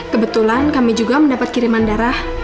kebetulan kami juga mendapat kiriman darah